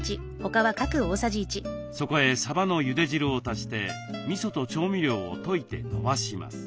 そこへさばのゆで汁を足してみそと調味料を溶いてのばします。